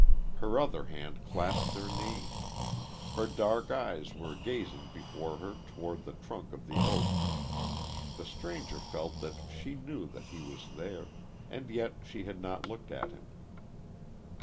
Her other hand clasped her knee. Her dark eyes were gazing before her toward the trunk of the oak. The stranger felt that she knew that he was there; and yet she had not looked at him.